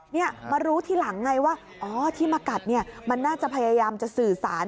นี่มารู้ทีหลังไงว่าอ๋อที่มากัดเนี่ยมันน่าจะพยายามจะสื่อสาร